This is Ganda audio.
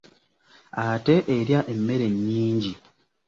Ate erya emmere nnyingi.